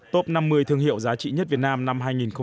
top năm mươi thương hiệu giá trị nhất việt nam năm hai nghìn một mươi bảy